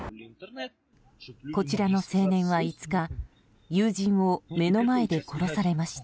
こちらの青年は５日友人を目の前で殺されました。